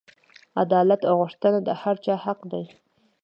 عدالت غوښتنه د هر چا حق دی.